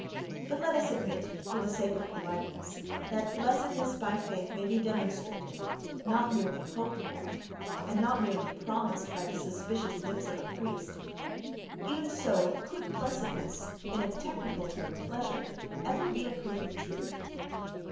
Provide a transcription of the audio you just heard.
—But let us admit, for the sake of politeness, that blessedness by faith may be demonstrated (—not merely hoped for, and not merely promised by the suspicious lips of a priest): even so, could blessedness—in a technical term, pleasure—ever be a proof of truth?